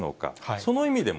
その意味でも、